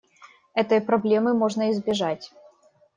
Этой проблемы можно избежать.